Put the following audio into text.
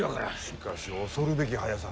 しかし恐るべき速さ。